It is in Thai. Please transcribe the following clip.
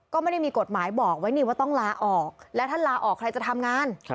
ก็ไม่ได้มีกฎหมายบอกไว้นี่ว่าต้องลาออกและท่านลาออกใครจะทำงาน